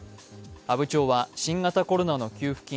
阿武町は新型コロナの給付金